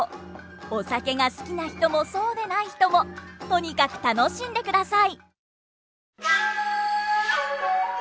お酒が好きな人もそうでない人もとにかく楽しんでください！